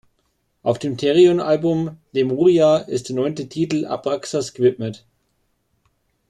Auf dem Therion-Album "Lemuria" ist der neunte Titel Abraxas gewidmet.